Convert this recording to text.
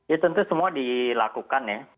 ya tentu semua dilakukan ya